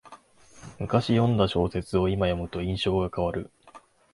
むかし読んだ小説をいま読むと印象が変わる